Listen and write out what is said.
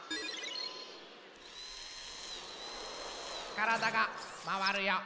からだがまわるよ。